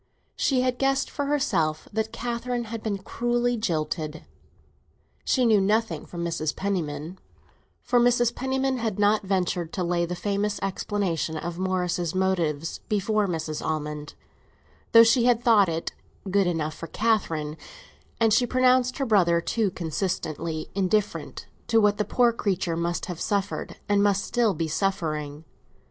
She had guessed for herself that Catherine had been cruelly jilted—she knew nothing from Mrs. Penniman, for Mrs. Penniman had not ventured to lay the famous explanation of Morris's motives before Mrs. Almond, though she had thought it good enough for Catherine—and she pronounced her brother too consistently indifferent to what the poor creature must have suffered and must still be suffering.